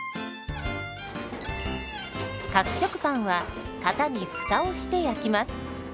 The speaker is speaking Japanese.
角食パンは型に「フタ」をして焼きます。